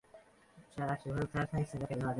তিনি চৌদ্দ বছর বয়সে বার্সেলোনাতে একক অনুষ্ঠান করেন।